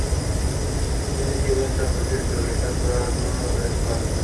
যিনি ছিলেন সর্বশেষ নবী, তার পরে আর কোন নবী-রাসূল আসবেন না।